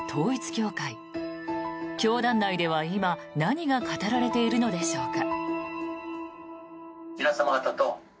教団内では今何が語られているのでしょうか。